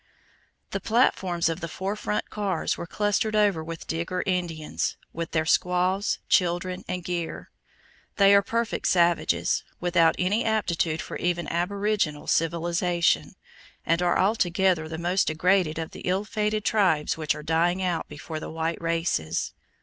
The platforms of the four front cars were clustered over with Digger Indians, with their squaws, children, and gear. They are perfect savages, without any aptitude for even aboriginal civilization, and are altogether the most degraded of the ill fated tribes which are dying out before the white races.